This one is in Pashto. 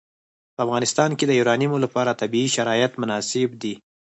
په افغانستان کې د یورانیم لپاره طبیعي شرایط مناسب دي.